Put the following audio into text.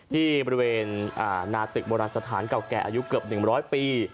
ที่บริเวณหน้าตึกโบราณสถานเก่าแก่อายุเกือบ๑๐๐ปี